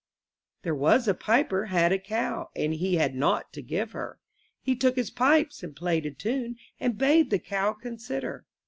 T^HERE was a piper had a cow, *■ And he had naught to give her; ,He "took his pipes and played a tune, And bade the cow consider.